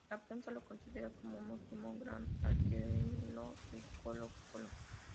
La prensa lo considera como el último gran arquero de Colo-Colo.